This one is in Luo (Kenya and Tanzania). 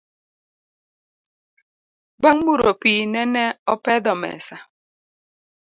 Bang muro pii nene opedho mesa